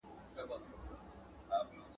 • مار خوړلی، د رسۍ څخه بېرېږي.